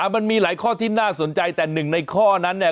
มันมีหลายข้อที่น่าสนใจแต่หนึ่งในข้อนั้นเนี่ย